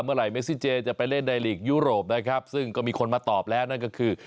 เมื่อไหเมซิเจจะไปเล่นในลีกยุโรปนะครับซึ่งก็มีคนมาตอบแล้วนั่นก็คือ